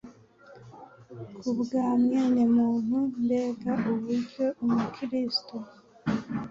kubwa mwenemuntu. Mbega uburyo Umukristo